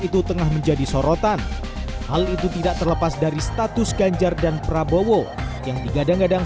itu tengah menjadi sorotan hal itu tidak terlepas dari status ganjar dan prabowo yang digadang gadang